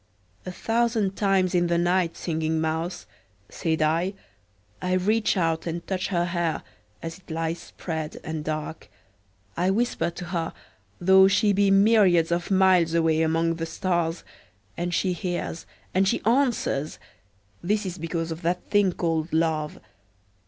... "A thousand times in the night, Singing Mouse," said I, "I reach out and touch her hair, as it lies spread and dark. I whisper to her, though she be myriads of miles away among the stars; and she hears; and she answers! This is because of that thing called Love.